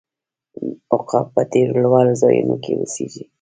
عقاب په ډیرو لوړو ځایونو کې اوسیږي